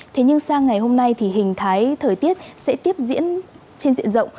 thế nhưng sang ngày hôm nay thì hình thái thời tiết sẽ tiếp diễn trên diện rộng